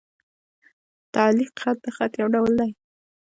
تعلیق خط؛ د خط یو ډول دﺉ.